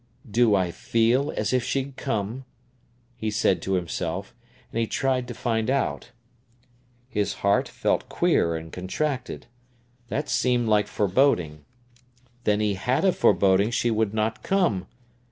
"Do I feel as if she'd come?" he said to himself, and he tried to find out. His heart felt queer and contracted. That seemed like foreboding. Then he had a foreboding she would not come!